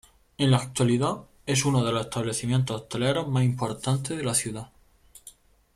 En la actualidad, es uno de los establecimientos hoteleros más importantes de la ciudad.